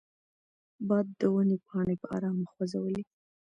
باد د ونې پاڼې په ارامه خوځولې.